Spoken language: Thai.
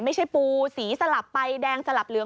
ไม่ใช่ปูสีสลับไปแดงสลับเหลือง